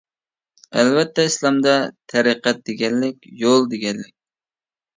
ئەلۋەتتە ئىسلامدا تەرىقەت دېگەنلىك «يول» دېگەنلىك.